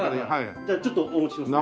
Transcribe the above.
じゃあちょっとお持ちしますね。